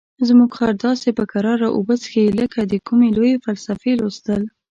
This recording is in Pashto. زموږ خر داسې په کراره اوبه څښي لکه د کومې لویې فلسفې لوستل.